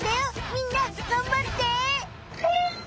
みんながんばって。